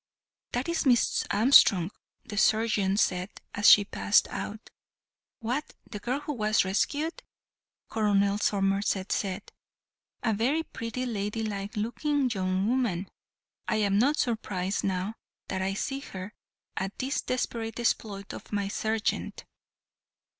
"That is Miss Armstrong," the surgeon said, as she passed out. "What, the girl who was rescued?" Colonel Somerset said; "a very pretty, ladylike looking young woman. I am not surprised, now that I see her, at this desperate exploit of my sergeant."